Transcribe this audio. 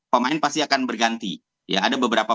pemain pasti akan berganti ya ada beberapa